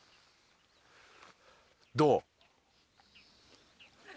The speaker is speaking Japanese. どう？